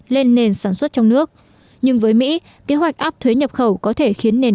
lên nền sản xuất trong nước nhưng với mỹ kế hoạch áp thuế nhập khẩu có thể khiến nền